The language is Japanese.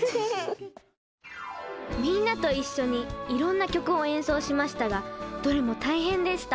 みんなと一緒にいろんな曲を演奏しましたがどれも大変でした。